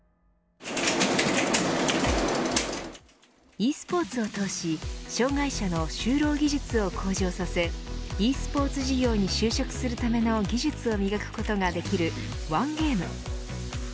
ｅスポーツを通し障害者の就労技術を向上させｅスポーツ事業に就職するための技術を磨くことができるＯＮＥＧＡＭＥ。